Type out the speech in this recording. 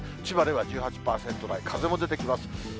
千葉では１８％台、風も出てきます。